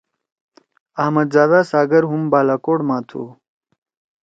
احمدزادہ ساگر ہُم بالاکوٹ ما تُھو۔